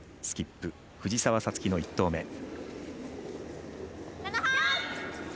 スキップ藤澤五月の１投目。